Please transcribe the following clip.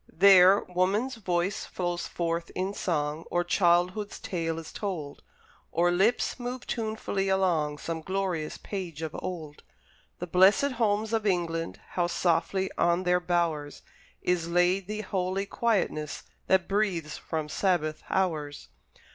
There woman's voice flows forth in song, Or childhood's tale is told, Or lips move tunefully along Some glorious page of old. The blessed homes of England! How softly on their bowers Is laid the holy quietness That breathes from Sabbath hours!